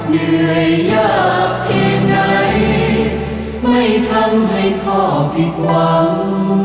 เหนื่อยยากเพียงไหนไม่ทำให้พ่อผิดหวัง